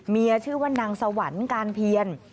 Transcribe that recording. ชื่อว่านางสวรรค์การเพียร